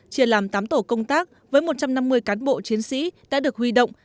chia làm tám tổ công tác với một trăm năm mươi cán bộ chiến sĩ đã được huy động